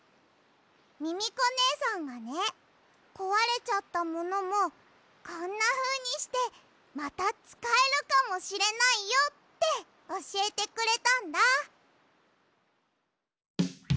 ミミコねえさんがねこわれちゃったものもこんなふうにしてまたつかえるかもしれないよっておしえてくれたんだ！